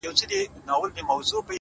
• په مالت کي خاموشي سوه وخت د جام سو ,